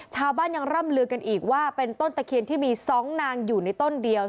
ชาวบ้านยังร่ำลือกันอีกว่าเป็นต้นตะเคียนที่มี๒นางอยู่ในต้นเดียว